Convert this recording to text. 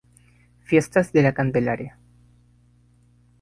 Fiestas de la Candelaria.